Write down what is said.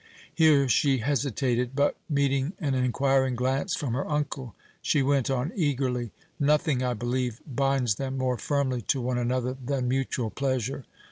Here she hesitated but, meeting an inquiring glance from her uncle, she went on eagerly; "Nothing, I believe, binds them more firmly to one another than mutual pleasure.